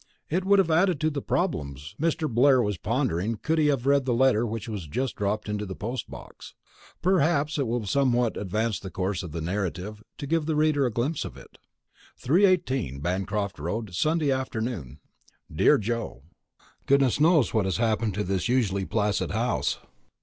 It would have added to the problems Mr. Blair was pondering could he have read the letter which had just dropped into the post box. Perhaps it will somewhat advance the course of the narrative to give the reader a glimpse of it. 318, BANCROFT ROAD, Sunday Afternoon. DEAR JOE: Goodness knows what has happened to this usually placid house.